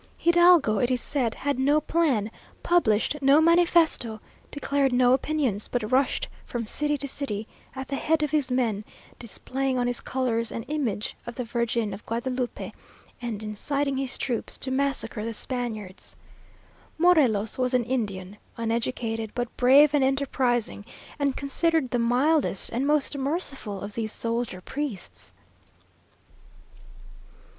Hidalgo, it is said, had no plan, published no manifesto, declared no opinions; but rushed from city to city at the head of his men, displaying on his colours an image of the Virgin of Guadalupe, and inciting his troops to massacre the Spaniards. Morelos was an Indian, uneducated, but brave and enterprising, and considered the mildest and most merciful of these soldier priests!